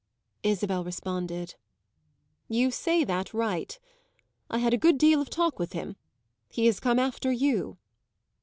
Isabel responded. "You say that right. I had a good deal of talk with him; he has come after you."